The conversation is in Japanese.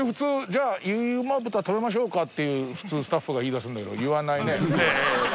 「じゃあ結旨豚食べましょうか」っていう普通スタッフが言い出すんだけど言わないね。